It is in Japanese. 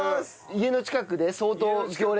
家の近くで相当行列？